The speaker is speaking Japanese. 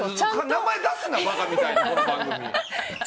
名前出すな、馬鹿みたいに！